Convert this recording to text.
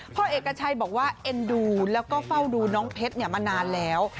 พ่อเอกชัยบอกว่าเอ็นดูแล้วก็เฝ้าดูน้องเพชรมานานแล้ว